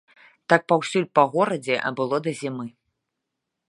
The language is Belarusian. Так паўсюль па горадзе было да зімы.